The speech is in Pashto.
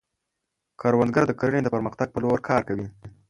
کروندګر د کرنې د پرمختګ په لور کار کوي